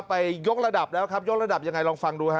ยกระดับแล้วครับยกระดับยังไงลองฟังดูฮะ